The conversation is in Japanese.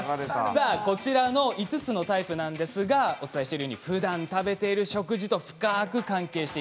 さあこちらの５つのタイプなんですがお伝えしているようにふだん食べている食事と深く関係しています。